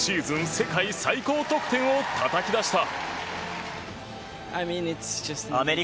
世界最高得点をたたき出した！